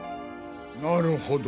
なるほど。